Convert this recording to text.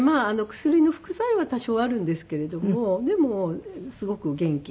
薬の副作用は多少あるんですけれどもでもすごく元気で。